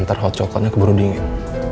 ntar hot chocolate nya keburu dingin